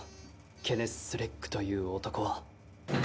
ケネス・スレッグという男は。